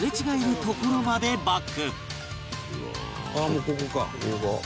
「ああもうここか」